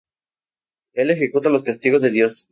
Él ejecuta los castigos de Dios.